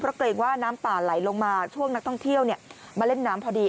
เพราะเกรงว่าน้ำป่าไหลลงมาช่วงนักท่องเที่ยวมาเล่นน้ำพอดี